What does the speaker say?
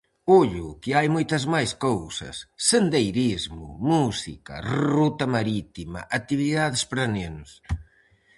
Ollo, que hai moitas máis cousas: sendeirismo, música, ruta marítima, actividades para nenos...